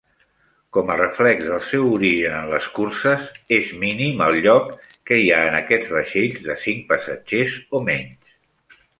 Com a reflex del seu origen en les curses, és mínim el lloc que hi ha en aquests vaixells de cinc passatgers o menys.